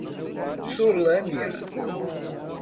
Solânea